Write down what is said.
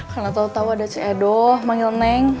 karena tau tau ada ceedoh manggil neng